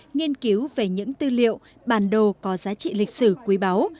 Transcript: nghiên cứu về những tư liệu bản đồ có giá trị lịch sử quý báu